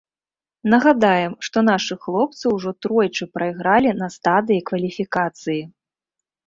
Нагадаем, што нашы хлопцы ўжо тройчы прайгралі на стадыі кваліфікацыі.